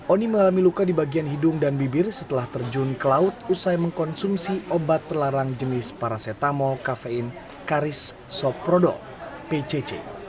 oni mengalami luka di bagian hidung dan bibir setelah terjun ke laut usai mengkonsumsi obat terlarang jenis paracetamol kafein karis soprodo pcc